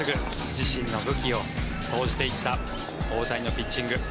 自身の武器を投じていった大谷のピッチング。